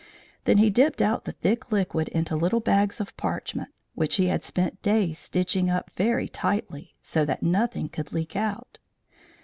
Then he dipped out the thick liquid into little bags of parchment, which he had spent days stitching up very tightly, so that nothing could leak out.